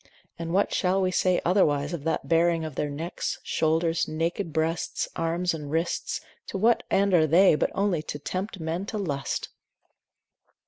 And what shall we say otherwise of that baring of their necks, shoulders, naked breasts, arms and wrists, to what end are they but only to tempt men to lust!